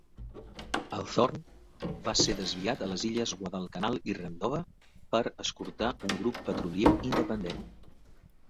El Thorn va ser desviat a les illes Guadalcanal i Rendova per escortar un grup petrolier independent.